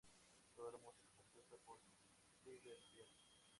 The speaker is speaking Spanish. Toda la música compuesta por Tyler Bates.